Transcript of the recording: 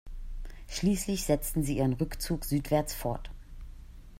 Schließlich setzten sie ihren Rückzug südwärts fort.